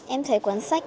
em thấy cuốn sách